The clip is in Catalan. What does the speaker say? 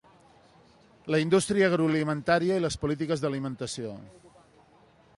La indústria agroalimentària i les polítiques d'alimentació.